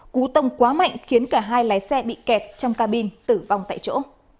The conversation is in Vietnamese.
cú tông quá mạnh khiến cả hai lái xe bị kẹt trong cabin tử vong tại chỗ